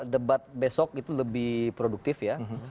debat besok itu lebih produktif ya